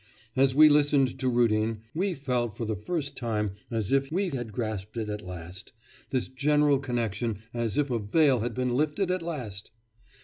As we listened to Rudin, we felt for the first time as if we had grasped it at last, this general connection, as if a veil had been lifted at last!